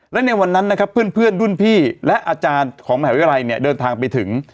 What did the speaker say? และในวันนั้นนะครับเพื่อนรุ่นพี่และอาจารย์ของมหาวิทยาลัยเนี่ยเดินทางไปถึง